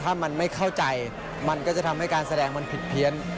ถ้ามันไม่เข้าใจมันก็จะทำให้การแสดงมันผิดเพี้ยน